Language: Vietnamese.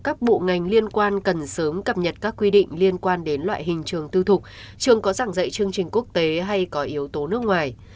các bộ ngành liên quan cần sớm cập nhật các quy định liên quan đến loại hình trường tư thục trường có giảng dạy chương trình quốc tế hay có yếu tố nước ngoài